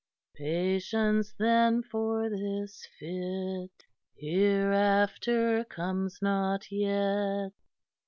Patience then for this fit; Hereafter comes not yet."